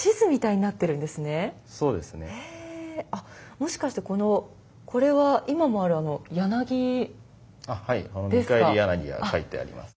もしかしてこのこれは今もあるあの柳ですか。